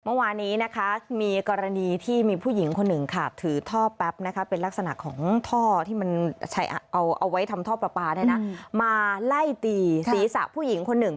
เมื่อวานนี้นะคะมีกรณีที่มีผู้หญิงคนหนึ่งค่ะถือท่อแป๊บนะคะเป็นลักษณะของท่อที่มันเอาไว้ทำท่อปลาปลามาไล่ตีศีรษะผู้หญิงคนหนึ่ง